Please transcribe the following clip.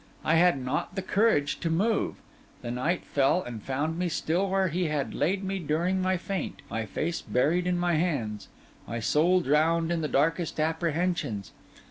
I had not the courage to move; the night fell and found me still where he had laid me during my faint, my face buried in my hands, my soul drowned in the darkest apprehensions.